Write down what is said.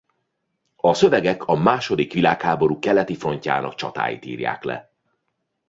A szövegek a második világháború keleti frontjának csatáit írják le.